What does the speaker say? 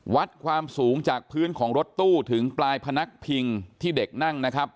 วัดความสูงจากพื้นของรถตู้ถึงปลายพนักพิงที่เด็กนั่งนะครับ